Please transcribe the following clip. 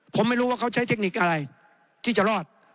ผมไม่รู้ว่าเขาใช้เทคนิคอะไรที่จะรอด